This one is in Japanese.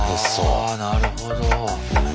あなるほど。